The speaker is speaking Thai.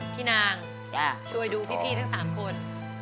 พี่นางช่วยดูพี่ทั้ง๓คน